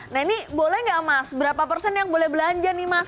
nah ini boleh nggak mas berapa persen yang boleh belanja nih mas